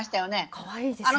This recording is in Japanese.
かわいいですね。